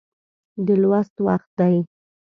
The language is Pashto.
د لوست وخت دی